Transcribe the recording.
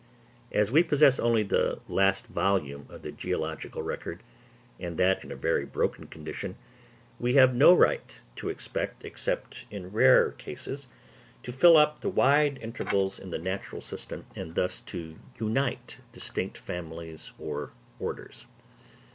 As we possess only the last volume of the geological record, and that in a very broken condition, we have no right to expect, except in rare cases, to fill up the wide intervals in the natural system, and thus to unite distinct families or orders.